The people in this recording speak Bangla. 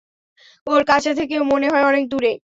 ও কাছে থেকেও মনে হয় অনেক দূরে!